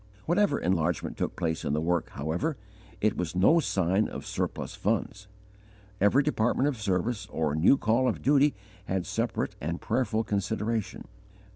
Whatever enlargement took place in the work, however, it was no sign of surplus funds. Every department of service or new call of duty had separate and prayerful consideration.